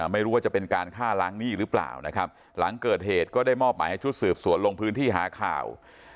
ไม่รู้ว่าจะเป็นการฆ่าล้างหนี้หรือเปล่านะครับหลังเกิดเหตุก็ได้มอบหมายให้ชุดสืบสวนลงพื้นที่หาข่าว